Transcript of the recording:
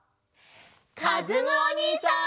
かずむおにいさん！